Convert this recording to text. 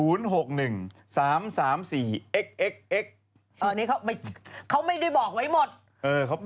อันนี้เขาไม่ได้บอกไว้หมด